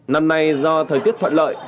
năm nay do thời tiết thuận lợi